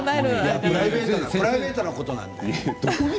プライベートなことなんで。